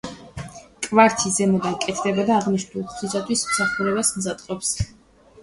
კვართის ზემოდან კეთდება და აღნიშნავს ღვთისათვის მსახურების მზადყოფნას.